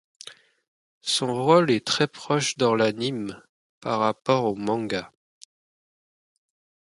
Son rôle est très proche dans l'anime par rapport au manga.